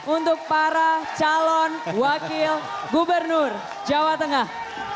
untuk para calon wakil gubernur jawa tengah